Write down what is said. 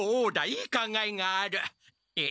いい考えがある。